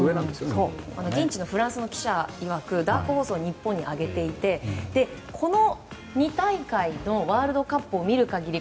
現地のフランスの記者曰くダークホースに日本を挙げていてこの２大会のワールドカップを見る限り